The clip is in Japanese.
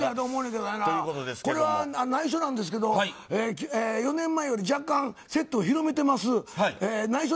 これは内緒なんですけど４年間より若干セット、広めてます。